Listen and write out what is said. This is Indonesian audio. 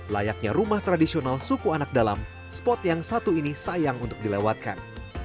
layaknya rumah tradisional suku anak dalam spot yang satu ini sayang untuk dilewatkan